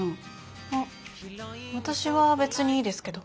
あ私は別にいいですけど。